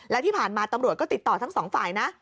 และที่ผ่านมาตำรวจก็ติดต่อทั้งสองฝ่ายนะ